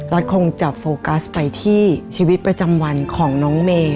คงจะโฟกัสไปที่ชีวิตประจำวันของน้องเมย์